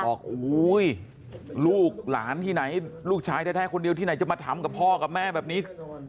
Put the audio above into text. อุ้ยลูกหลานที่ไหนลูกชายแท้คนเดียวที่ไหนจะมาทำกับพ่อกับแม่แบบนี้